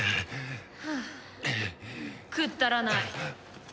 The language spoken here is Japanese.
くっだらない。